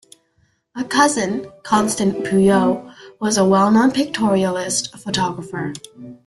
A cousin, Constant Puyo, was a well-known Pictorialist photographer.